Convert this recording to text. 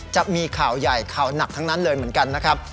จะมีข่าวใหญ่ข่าวหนักทั้งนั้นเลยเหมือนกันนะครับ